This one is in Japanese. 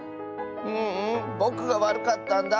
ううんぼくがわるかったんだ。